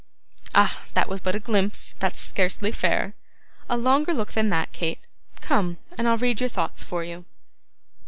Ah! that was but a glimpse; that's scarcely fair. A longer look than that, Kate. Come and I'll read your thoughts for you.